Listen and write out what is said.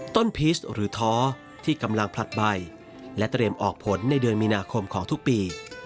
พีชหรือท้อที่กำลังผลัดใบและเตรียมออกผลในเดือนมีนาคมของทุกปี